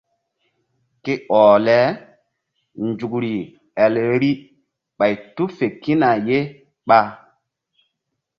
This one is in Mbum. Ke ɔh le nzukri el vbi ɓay tu fe kína ye ɓa.